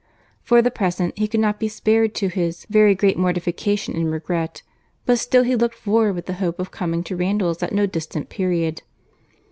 For the present, he could not be spared, to his "very great mortification and regret; but still he looked forward with the hope of coming to Randalls at no distant period."